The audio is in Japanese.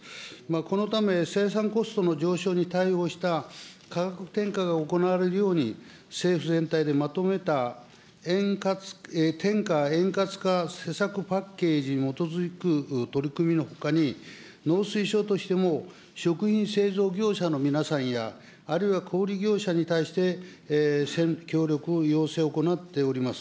このため、生産コストの上昇に対応した、価格転嫁が行われるように、政府全体でまとめた、転嫁円滑化施策パッケージに基づく取り組みのほかに、農水省としても、食品製造業者の皆さんや、あるいは小売り業者に対して協力を要請を行っております。